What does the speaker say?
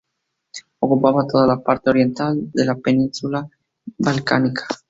Ocupaba toda la parte oriental de la península balcánica.